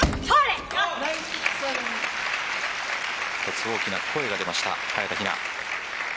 １つ、大きな声が出ました早田ひな。